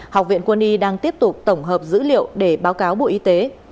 học viện quân y đang tiếp tục tổng hợp dữ liệu để báo cáo bộ y tế